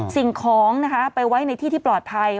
สิ่งของนะคะไปไว้ในที่ที่ปลอดภัย